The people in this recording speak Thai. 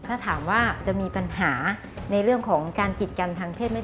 ถ้าถามว่าจะมีปัญหาในเรื่องของการกิจกันทางเพศไหม